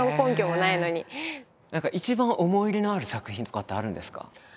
何か一番思い入れのある作品とかってあるんですか？